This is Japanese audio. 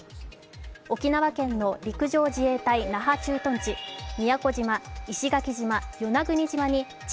沖縄県の陸上自衛隊那覇駐屯地、宮古島、石垣島、与那国島に地